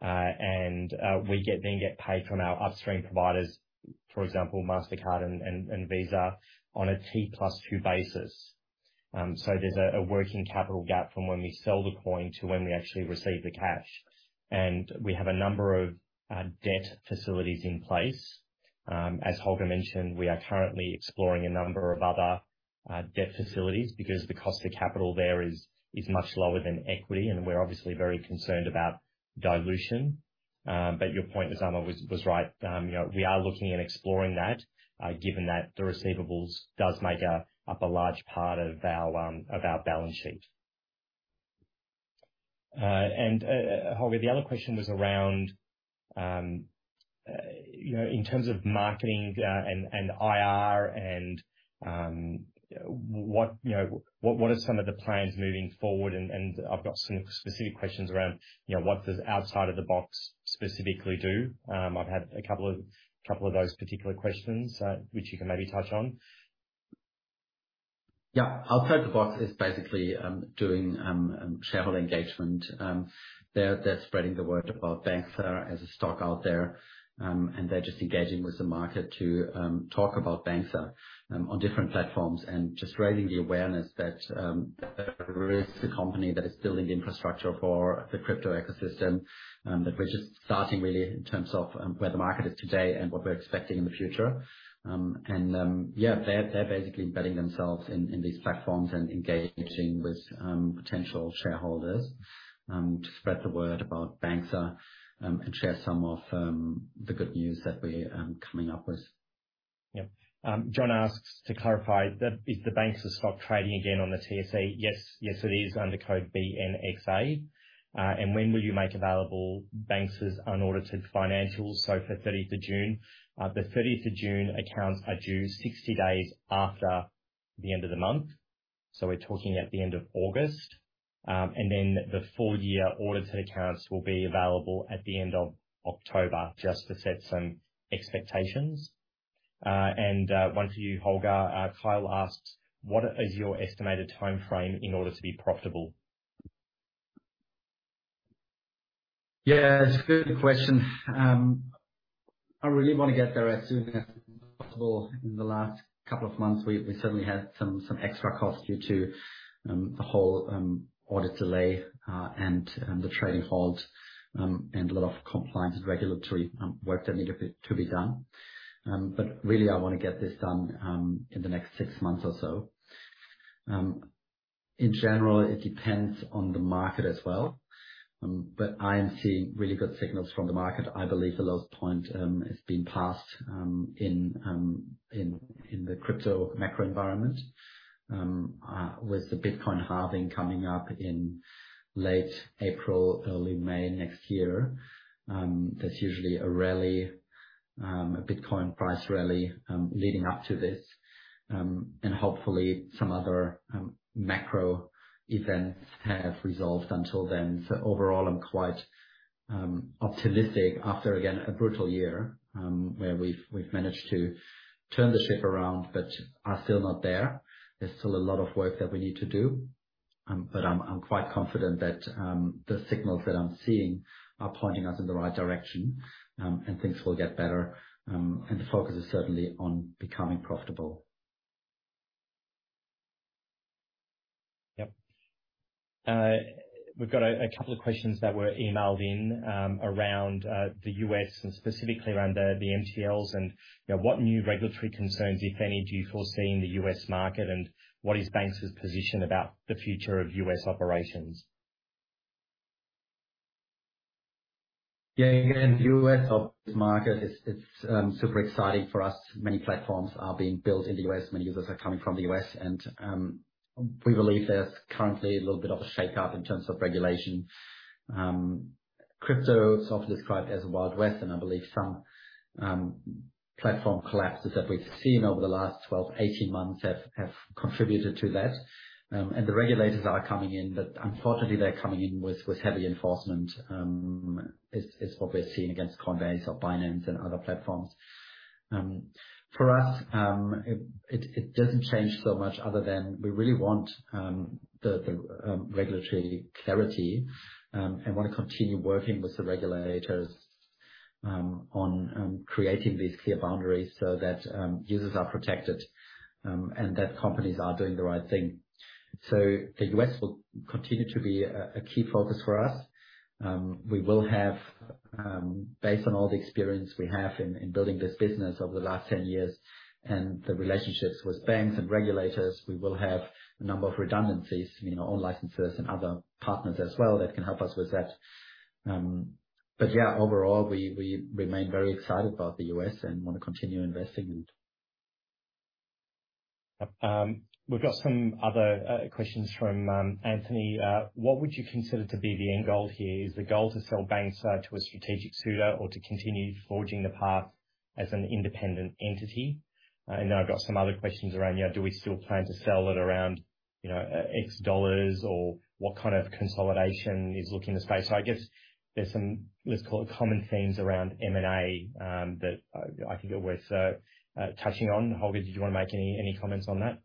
and then get paid from our upstream providers, for example, Mastercard and Visa, on a T plus two basis. So there's a working capital gap from when we sell the coin to when we actually receive the cash. We have a number of debt facilities in place. As Holger mentioned, we are currently exploring a number of other debt facilities, because the cost of capital there is much lower than equity, and we're obviously very concerned about dilution. Your point, Osama, was right. You know, we are looking and exploring that, given that the receivables does make up a large part of our balance sheet. Holger, the other question was around, you know, in terms of marketing and IR, and what... You know, what are some of the plans moving forward? I've got some specific questions around, you know, what does Outside the Box specifically do? I've had a couple of, couple of those particular questions, which you can maybe touch on. Yeah. Outside the Box is basically doing shareholder engagement. They're spreading the word about Banxa as a stock out there. They're just engaging with the market to talk about Banxa on different platforms. Just raising the awareness that there is a company that is building the infrastructure for the crypto ecosystem, that we're just starting really in terms of where the market is today and what we're expecting in the future. Yeah, they're basically embedding themselves in these platforms and engaging with potential shareholders to spread the word about Banxa and share some of the good news that we're coming up with. Yep. John asks to clarify, that is the Banxa stock trading again on the TSE? Yes. Yes, it is under code BNXA. When will you make available Banxa's unaudited financials, so for 30th of June? The 30th of June accounts are due 60 days after the end of the month, so we're talking at the end of August. Then the full year audited accounts will be available at the end of October, just to set some expectations. One to you, Holger. Kyle asks: What is your estimated timeframe in order to be profitable? Yeah, it's a good question. I really want to get there as soon as possible. In the last couple of months, we certainly had some extra costs due to the whole audit delay, and the trading halt, and a lot of compliance and regulatory work that needed to be done. Really, I want to get this done in the next six months or so. In general, it depends on the market as well, but I am seeing really good signals from the market. I believe the lowest point has been passed in the crypto macro environment. With the Bitcoin halving coming up in late April, early May next year, there's usually a rally, a Bitcoin price rally, leading up to this. Hopefully some other macro events have resolved until then. Overall, I'm quite optimistic after, again, a brutal year, where we've managed to turn the ship around, but are still not there. There's still a lot of work that we need to do, but I'm quite confident that the signals that I'm seeing are pointing us in the right direction, and things will get better. The focus is certainly on becoming profitable. Yep. We've got a couple of questions that were emailed in, around the U.S., and specifically around the MTLs. You know, what new regulatory concerns, if any, do you foresee in the U.S. market? What is Banxa's position about the future of U.S. operations? Yeah. Again, the U.S. is a big market. It's super exciting for us. Many platforms are being built in the U.S., many users are coming from the U.S. We believe there's currently a little bit of a shakeup in terms of regulation. Crypto is often described as the Wild West. I believe some platform collapses that we've seen over the last 12, 18 months have contributed to that. The regulators are coming in, but unfortunately, they're coming in with heavy enforcement, is what we're seeing against Coinbase or Binance and other platforms. For us, it doesn't change so much other than we really want the regulatory clarity and want to continue working with the regulators on creating these clear boundaries so that users are protected and that companies are doing the right thing. The U.S. will continue to be a key focus for us. We will have, based on all the experience we have in building this business over the last 10 years, and the relationships with banks and regulators, we will have a number of redundancies, you know, on licenses and other partners as well that can help us with that. Yeah, overall, we remain very excited about the U.S. and want to continue investing. We've got some other questions from Anthony. What would you consider to be the end goal here? Is the goal to sell Banxa to a strategic suitor, or to continue forging the path as an independent entity? Then I've got some other questions around, you know, do we still plan to sell it around, you know, X dollars? What kind of consolidation is looking the space? I guess there's some, let's call it common themes around M&A that I think are worth touching on. Holger, did you want to make any comments on that?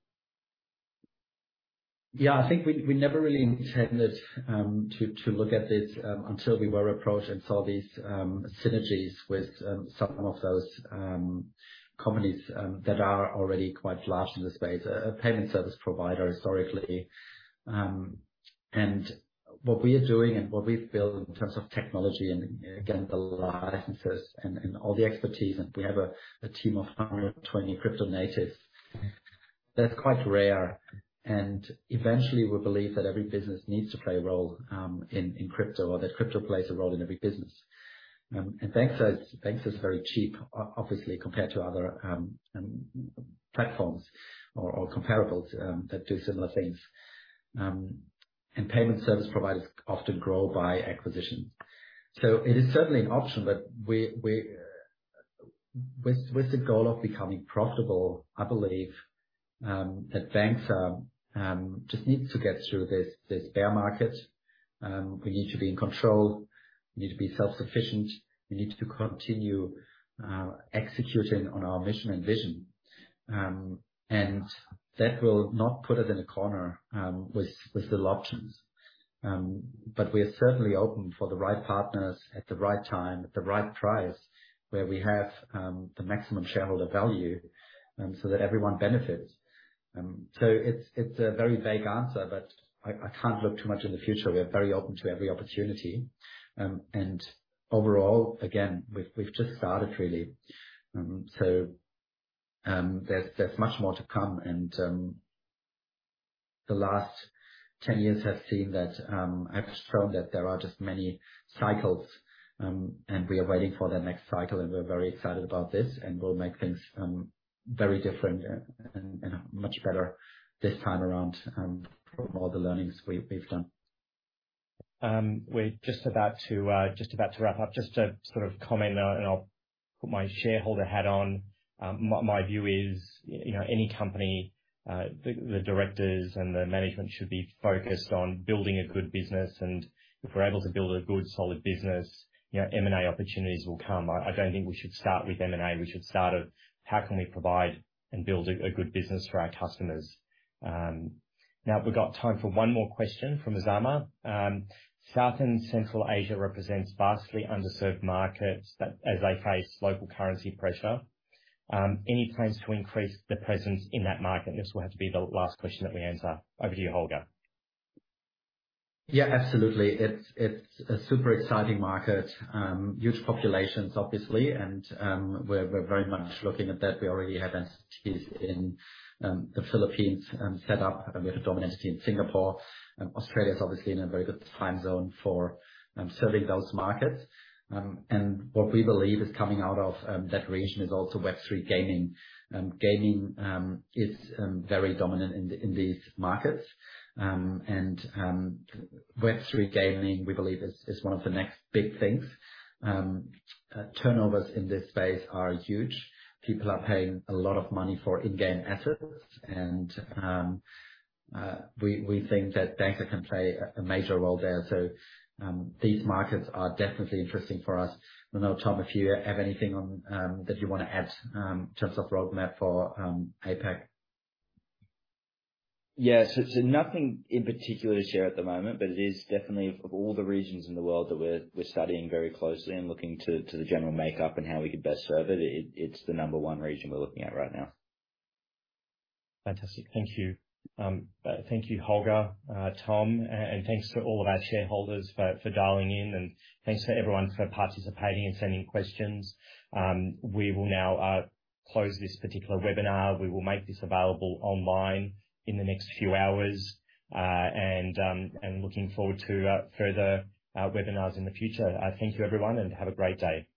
Yeah, I think we never really intended to look at this until we were approached and saw these synergies with some of those companies that are already quite large in the space. A payment service provider, historically. What we are doing and what we've built in terms of technology, and again, the licenses and all the expertise, and we have a team of 120 crypto natives, that's quite rare. Eventually, we believe that every business needs to play a role in crypto, or that crypto plays a role in every business. Banxa is very cheap, obviously, compared to other platforms or comparables that do similar things. Payment service providers often grow by acquisition. It is certainly an option, but we with the goal of becoming profitable, I believe, that Banxa just needs to get through this bear market. We need to be in control. We need to be self-sufficient. We need to continue executing on our mission and vision. That will not put us in a corner with little options. We're certainly open for the right partners, at the right time, at the right price, where we have the maximum shareholder value, so that everyone benefits. It's a very vague answer, but I can't look too much in the future. We are very open to every opportunity. Overall, again, we've just started, really. There's much more to come, and the last 10 years have shown that there are just many cycles, and we are waiting for the next cycle, and we're very excited about this, and we'll make things very different and much better this time around, from all the learnings we've done. We're just about to wrap up. Just a sort of comment, and I'll put my shareholder hat on. My view is, you know, any company, the directors and the management should be focused on building a good business, and if we're able to build a good, solid business, you know, M&A opportunities will come. I don't think we should start with M&A, we should start with: How can we provide and build a good business for our customers? Now, we've got time for one more question from Usama. South and Central Asia represents vastly underserved markets, that as they face local currency pressure. Any plans to increase the presence in that market? This will have to be the last question that we answer. Over to you, Holger. Yeah, absolutely. It's a super exciting market. Huge populations, obviously, and we're very much looking at that. We already have entities in the Philippines set up, and we have a dominant team in Singapore. Australia is obviously in a very good time zone for serving those markets. What we believe is coming out of that region is also Web3 gaming. Gaming is very dominant in these markets. Web3 gaming, we believe is one of the next big things. Turnovers in this space are huge. People are paying a lot of money for in-game assets, and we think that Banxa can play a major role there. These markets are definitely interesting for us. I don't know, Tom, if you have anything on that you want to add, in terms of roadmap for APAC? Yes. It's nothing in particular to share at the moment, it is definitely, of all the regions in the world, that we're studying very closely and looking to the general makeup and how we could best serve it. It's the number one region we're looking at right now. Fantastic. Thank you. Thank you, Holger, Tom, and thanks to all of our shareholders for dialing in, and thanks to everyone for participating and sending questions. We will now close this particular webinar. We will make this available online in the next few hours, and looking forward to further webinars in the future. Thank you everyone, and have a great day.